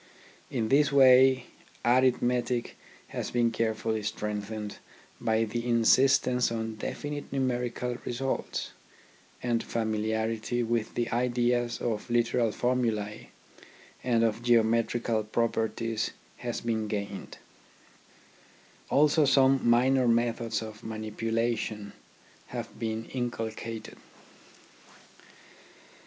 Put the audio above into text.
In this way arithmetic has been carefully strengthened by the insistence on definite numerical results, and familiarity with the ideas of literal formulae and of geometrical properties has been gained ; also some minor methods of manipulation have been inculcated.